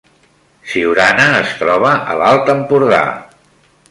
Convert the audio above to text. Siurana es troba a l’Alt Empordà